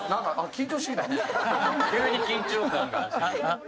急に緊張感が。